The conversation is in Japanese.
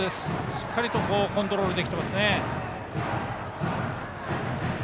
しっかりコントロールできていますね。